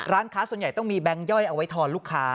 ร้านค้าส่วนใหญ่ต้องมีแบงค์ย่อยเอาไว้ทอนลูกค้า